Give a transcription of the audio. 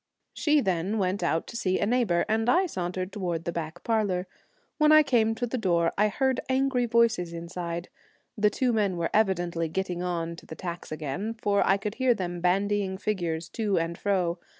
She then went out to see a neighbour, and I sauntered towards the back par lour. When I came to the door I heard angry voices inside. The two men were evidently getting on to the tax again, for I could hear them bandying figures to and fro.